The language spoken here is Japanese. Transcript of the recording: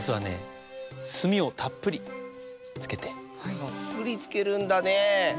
たっぷりつけるんだねえ。